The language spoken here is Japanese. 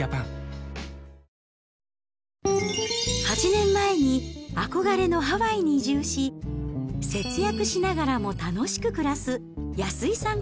８年前に憧れのハワイに移住し、節約しながらも楽しく暮らす安井さん